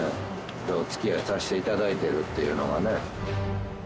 お付き合いさせて頂いてるっていうのがね。